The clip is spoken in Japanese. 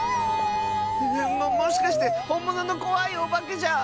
ももしかしてほんもののこわいおばけじゃ。